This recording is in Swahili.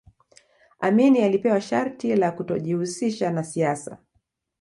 amini alipewa sharti la kutojihusisha na siasa